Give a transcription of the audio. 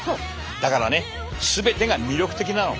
だからね全てが魅力的なの。